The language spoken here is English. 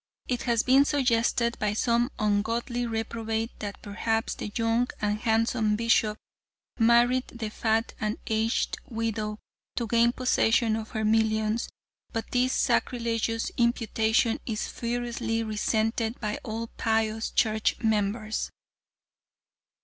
It has been suggested by some ungodly reprobate that perhaps the young and handsome bishop married the fat and aged widow to gain possession of her millions, but this sacrilegious imputation is furiously resented by all pious church members."